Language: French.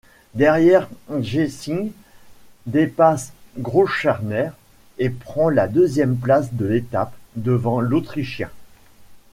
Derrière, Gesink dépasse Grosschartner et prend la deuxième place de l'étape, devant l'autrichien.